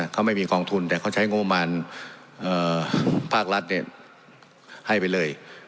เขาไม่มีคลองทุนแต่เขาใช้โงมันภาครัฐให้ไปเลย